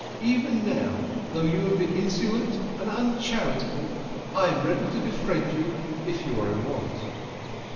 Even now, though you have been insolent and uncharitable, I am ready to befriend you if you are in want."